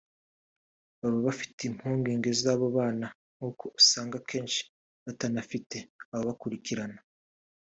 baba bafite impungenge z’abo bana kuko usanga kenshi batanafite ababakurikirana”